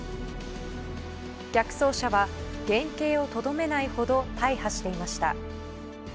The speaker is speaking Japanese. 逆走車は原形をとどめないほど大破していました。